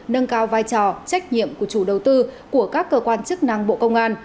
nâng cao vai trò trách nhiệm của chủ đầu tư của các cơ quan chức năng bộ công an